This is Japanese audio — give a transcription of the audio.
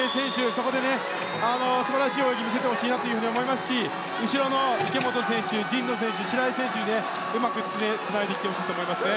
そこで素晴らしい泳ぎを見せてほしいと思いますし後ろの池本選手神野選手、白井選手にうまくつないでいってほしいと思います。